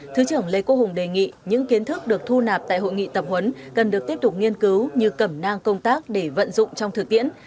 thứ trưởng lê quốc hùng đề nghị những kiến thức được thu nạp tại hội nghị tập huấn cần được tiếp tục nghiên cứu như cẩm nang công tác để vận dụng trong thực tiễn